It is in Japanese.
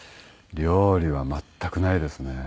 料理は全くないですね。